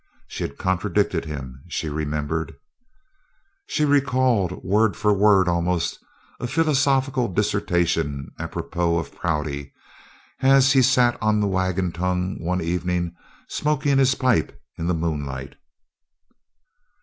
She had contradicted him, she remembered. She recalled word for word, almost a philosophical dissertation apropos of Prouty as he sat on the wagon tongue one evening smoking his pipe in the moonlight.